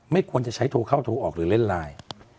ไม่ควรจะใช้โทรเข้าโทรออกหรือเล่นไลน์